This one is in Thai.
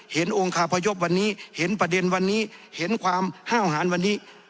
องค์คาพยพวันนี้เห็นประเด็นวันนี้เห็นความห้าวหารวันนี้